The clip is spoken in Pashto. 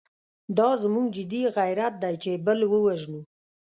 دا زموږ جدي غیرت دی چې بل ووژنو.